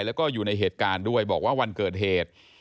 แล้วก็อยู่ในเหตุการณ์ด้วยบอกว่าวันเกิดเหตุ